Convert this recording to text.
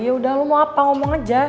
ya udah lu mau apa ngomong aja